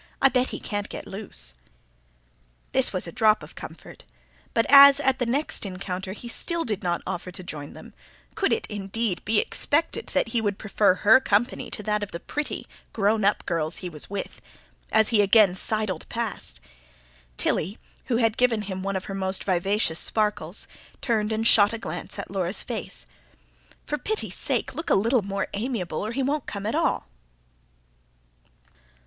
I bet he can't get loose." This was a drop of comfort. But as, at the next encounter, he still did not offer to join them could it, indeed, be expected that he would prefer her company to that of the pretty, grown up girls he was with? as he again sidled past, Tilly, who had given him one of her most vivacious sparkles, turned and shot a glance at Laura's face. "For pity's sake, look a little more amiable, or he won't come at all."